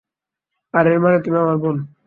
আর এর মানে তুমি আমার বোন।